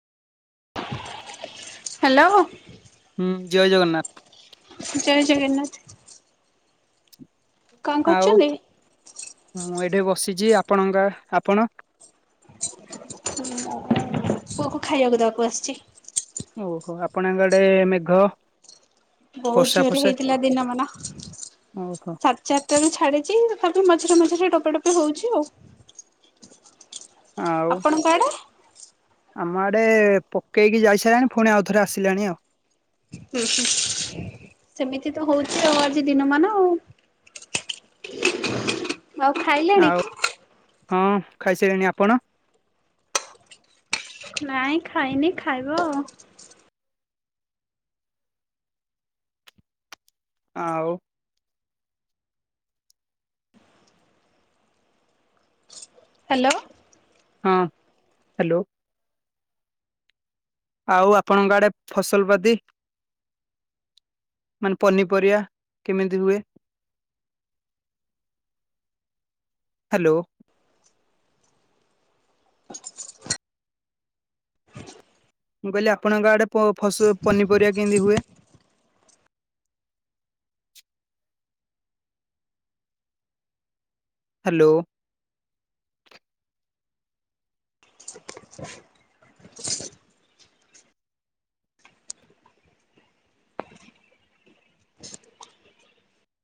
Hello. ହୁଁ ଜୟ ଜଗନ୍ନାଥ। ଜୟ ଜଗନ୍ନାଥ୍। କଣ ଆଉ କରୁଛନ୍ତି? ମୁଁ ଏଠି ବସିଚି ଆପଣଙ୍କ ଆପଣ? ମୁଁ ପୁଅକୁ ଖାଇଆକୁ ଦବାକୁ ଆସିଚି। ଓହୋ ଆପଣଙ୍କ ଆଡେ ମେଘ ବହୁ ବର୍ଷା ଜୋରେ ଫର୍ଷା ହେଇଥିଲା ଦିନ ମାନ ଓହୋ ଛାତ୍ ଚାରିଟାରୁ ଛାଡିଛି ତଥାପି ମଝିରେ ମଝିରେ ଟୋପେ ଟୋପେ ହଉଚି ଆଉ। ଆଉ ଆପଣଙ୍କ ଆଡେ? ଆମ ଆଡେ ପକେଇକି ଯାଇସାଇଲାଣି ପୁଣି ଆଉଥରେ ଆସିଲାଣି ଆଉ। ହୁଁ ହୁଁ ସେମିତି ତ ହଉଛି ଆଉ ଆଜି ଦିନ ମାନ ଆଉ‌। ଆଉ ଖାଇଲେଣି? ଆଉ ହଁ ଖାଇସାଇଲିଣି। ଆପଣ? ନାଇଁ ଖାଇନି ଖାଇବ। ଆଉ। ହାଲୋ। ହଁ ହାଲୋ। ଆଉ ଆପଣଙ୍କ ଆଡେ ଫସଲ ପାତି? ମାନେ ପନିପରିବା କିମିତି ହୁଏ? ହାଲୋ। ମୁଁ କହିଲି ଆପଣଙ୍କ ଆଡେ ପ- ଫସ୍ ପନିପରିବା କେମିତି ହୁଏ? ହାଲୋ।